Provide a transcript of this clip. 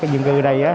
với các dân cư ở đây